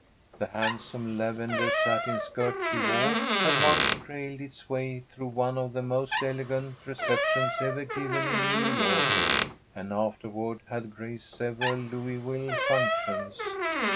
The handsome lavender satin skirt she wore had once trailed its way through one of the most elegant receptions ever given in New York, and afterward had graced several Louisville functions.